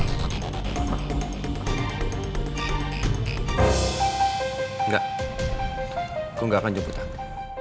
enggak ku gak akan jemput aku